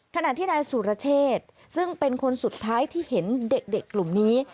ขณะที่นายสุรเชษซึ่งเป็นคนสุดท้ายที่เห็นเด็กกลุ่มนี้